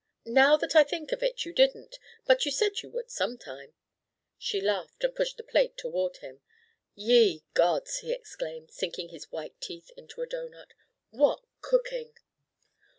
"Now that I think of it, you didn't, but you said you would, some time." She laughed and pushed the plate toward him. "Ye gods!" he exclaimed, sinking his white teeth into a doughnut, "what cooking!